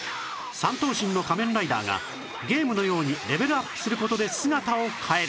３頭身の仮面ライダーがゲームのようにレベルアップする事で姿を変える